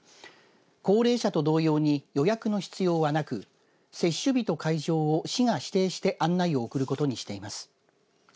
高齢者と同様に予約の必要はなく接種日と会場を市が指定して案内を送ることにしています。